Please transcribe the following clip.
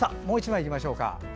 もう１枚いきましょう。